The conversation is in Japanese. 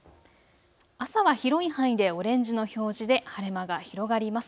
朝は広い範囲でオレンジの表示で晴れ間が広がります。